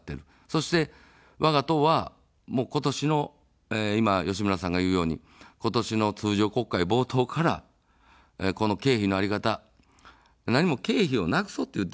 そして、わが党は今年の、いま吉村さんが言うように今年の通常国会冒頭からこの経費の在り方、何も経費をなくそうと言っているわけではないんです。